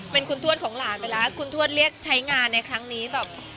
เป็นคุณทวดของหลานไปแล้วคุณทวดเรียกใช้งานในครั้งนี้แบบ